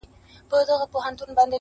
• نور پردی ورڅخه وس له ژونده موړ دی -